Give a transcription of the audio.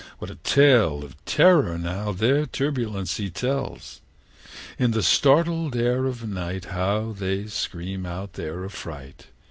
What a tale of terror now their turbulency tells! In the startled ear of night How they scream out their affright!